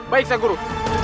baik saya guru